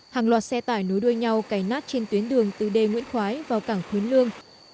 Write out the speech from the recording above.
hàng loạt xe tải nối đuôi nhau cày nát trên tuyến đường từ đê nguyễn khoái vào cảng khuyến lương